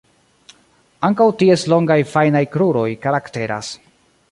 Ankaŭ ties longaj fajnaj kruroj karakteras.